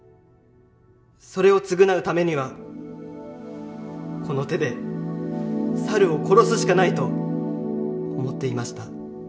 それを償うためにはこの手で猿を殺すしかないと思っていました。